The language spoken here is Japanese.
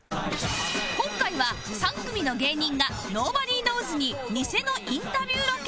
今回は３組の芸人が ｎｏｂｏｄｙｋｎｏｗｓ＋ にニセのインタビューロケ